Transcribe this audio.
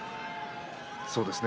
そうですね。